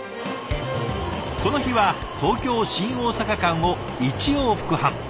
この日は東京・新大阪間を１往復半。